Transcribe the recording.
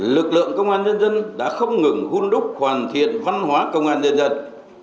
lực lượng công an nhân dân đã không ngừng hôn đúc hoàn thiện văn hóa công an nhân dân